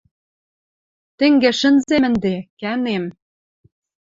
Тенге шӹнзем ӹнде, кӓнем